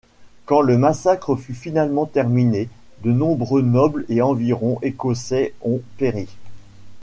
Quand le massacre fut finalement terminé, de nombreux nobles et environ Écossais ont péri.